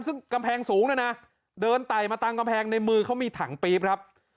ซึ่งกำแพงสูงนะนะเดินไต่มาตามกำแพงในมือเขามีถังปี๊บครับ